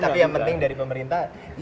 tapi yang penting dari pemerintah